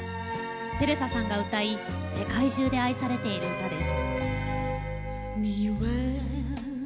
テレサさんが歌い世界中で愛されている歌です。